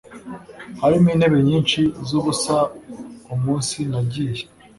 hariho intebe nyinshi zubusa umunsi nagiye